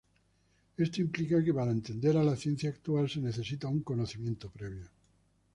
Esto implica que para entender a la ciencia actual se necesita un conocimiento previo.